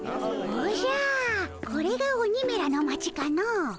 おじゃこれが鬼めらの町かの？